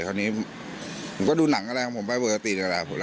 คราวนี้ผมก็ดูหนังอะไรของผมไปปกติเลยแหละ